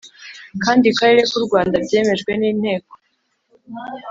kandi karere ku Rwanda byemejwe n Inteko